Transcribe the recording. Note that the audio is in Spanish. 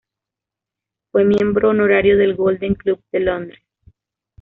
Fue miembro honorario del Golden Club de Londres.